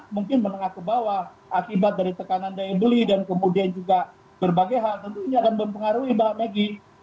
mungkin menengah ke bawah akibat dari tekanan daya beli dan kemudian juga berbagai hal tentunya akan mempengaruhi mbak megi